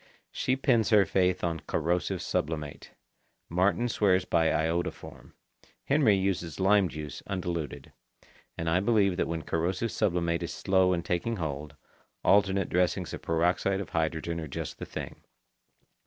She pins her faith to corrosive sublimate. Martin swears by iodoform. Henry uses lime juice undiluted. And I believe that when corrosive sublimate is slow in taking hold, alternate dressings of peroxide of hydrogen are just the thing.